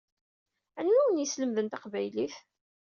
Anwi i wen-yeslemden taqbaylit?